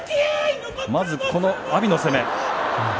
まず阿炎の攻め。